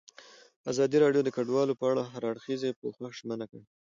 ازادي راډیو د کډوال په اړه د هر اړخیز پوښښ ژمنه کړې.